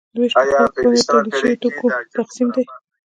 ویش په خلکو باندې د تولید شویو توکو تقسیم دی.